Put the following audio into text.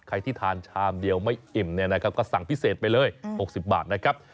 ใครที่ทานชามเดียวไม่อิ่มก็สั่งพิเศษไปเลย๖๐บาทนะครับ